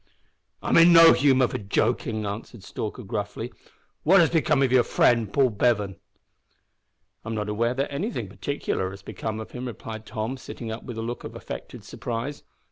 "I'm in no humour for joking," answered Stalker, gruffly. "What has become of your friend Paul Bevan?" "I'm not aware that anything particular has become of him," replied Tom, sitting up with a look of affected surprise.